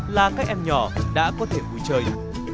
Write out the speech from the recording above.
là các em nhỏ đã có thể vui chơi